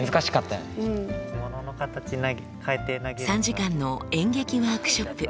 ３時間の演劇ワークショップ。